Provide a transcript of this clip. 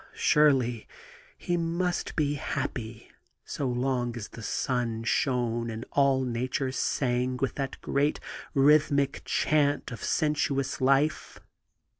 Ah, surely he must be happy so long as the sun shone and all natiu*e sang with that great rh3rthmic chaunt of sensuous life!